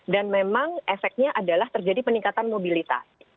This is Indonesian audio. dan memang efeknya adalah terjadi peningkatan mobilitas